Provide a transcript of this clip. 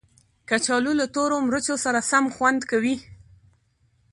کچالو له تورو مرچو سره هم خوند کوي